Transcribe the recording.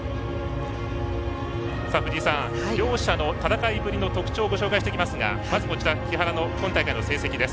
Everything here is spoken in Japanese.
両者の戦いぶりの特徴をご紹介していきますがまず、木原の今大会の成績です。